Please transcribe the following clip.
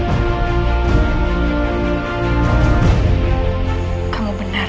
hai kamu benar